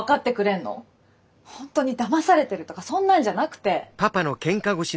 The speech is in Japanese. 本当にだまされてるとかそんなんじゃなくて。